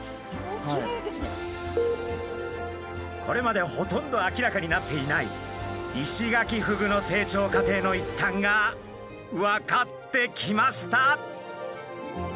これまでほとんど明らかになっていないイシガキフグの成長過程の一端が分かってきました。